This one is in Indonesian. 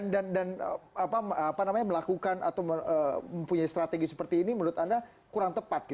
dan melakukan atau mempunyai strategi seperti ini menurut anda kurang tepat